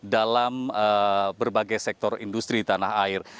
dalam berbagai sektor industri di tanah air